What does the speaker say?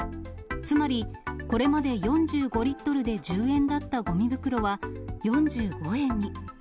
つまり、これまで４５リットルで１０円だったごみ袋は４５円に。